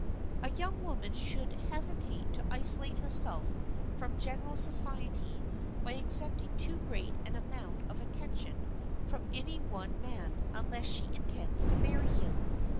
A young woman should hesitate to isolate herself from general society by accepting too great an amount of attention from any one man unless she intends to marry him.